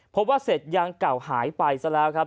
พบว่าเศษยางเก่าหายไปซะแล้วครับ